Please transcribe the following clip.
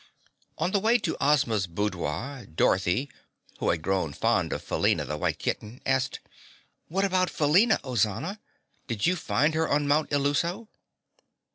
On the way to Ozma's boudoir, Dorothy, who had grown fond of Felina the White Kitten, asked, "What about Felina, Ozana? Did you find her on Mount Illuso?"